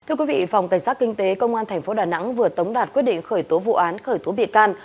thưa quý vị phòng cảnh sát kinh tế công an tp đà nẵng vừa tống đạt quyết định khởi tố vụ án khởi tố bị can